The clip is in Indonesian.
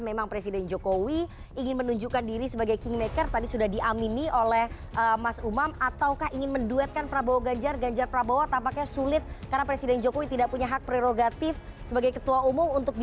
terima kasih kepada seluruh narasumber yang sudah hadir disini